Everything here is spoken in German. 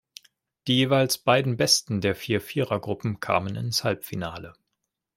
Die jeweils beiden besten der vier Vierergruppen kamen ins Halbfinale.